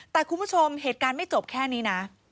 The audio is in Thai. แต่คุณผู้ชมเหตุการณ์ไม่จบแค่นี้นะ